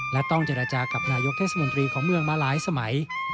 และต้องเจรจากับนายกเทศมนตรีของเมืองมาหลายสมัย